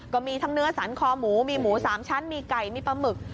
ก็มีทั้งเนื้อสันคอหมูมีหมู๓ชั้นมีไก่มีปลาหมึก